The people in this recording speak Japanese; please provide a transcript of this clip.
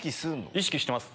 意識してます。